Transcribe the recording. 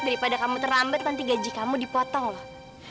daripada kamu terlambat nanti gaji kamu dipotong loh